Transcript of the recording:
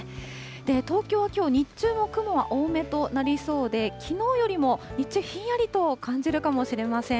東京はきょう、日中は雲は多めとなりそうで、きのうよりも日中、ひんやりと感じるかもしれません。